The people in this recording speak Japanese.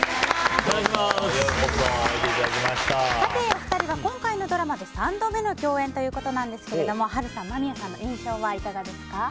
お二人は今回のドラマで３度目の共演ということですが波瑠さん、間宮さんの印象はいかがですか？